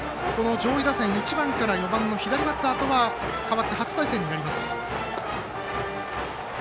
上位打線１番から４番の左バッターとは代わって初対戦になります。